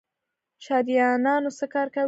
شریانونه څه کار کوي؟